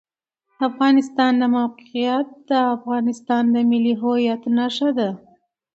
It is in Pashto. د افغانستان د موقعیت د افغانستان د ملي هویت نښه ده.